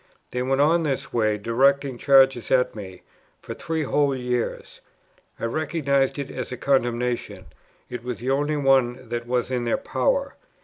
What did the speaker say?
They went on in this way, directing charges at me, for three whole years. I recognized it as a condemnation; it was the only one that was in their power.